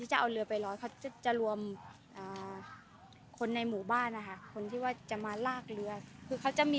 เหลือไปที่แม่น้ำครับ